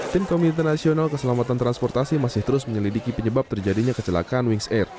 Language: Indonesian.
tim komite nasional keselamatan transportasi masih terus menyelidiki penyebab terjadinya kecelakaan wings air